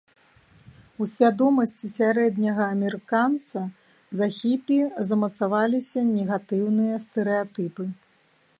У свядомасці сярэдняга амерыканца за хіпі замацаваліся негатыўныя стэрэатыпы.